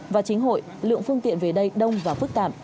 vào chính hội lượng phương tiện về đây đông và phức tạm